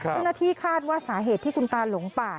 เจ้าหน้าที่คาดว่าสาเหตุที่คุณตาหลงป่า